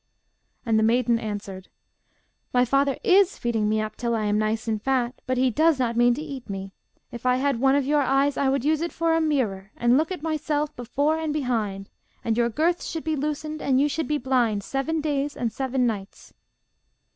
And the maiden answered: 'My father is feeding me up till I am nice and fat, but he does not mean to eat me. If I had one of your eyes I would use it for a mirror, and look at myself before and behind; and your girths should be loosened, and you should be blind seven days and seven nights.